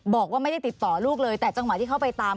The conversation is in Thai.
บอกว่าไม่ได้ติดต่อลูกเลยแต่จังหวะที่เข้าไปตาม